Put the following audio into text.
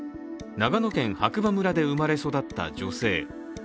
長野県白馬村で生まれ育った女性。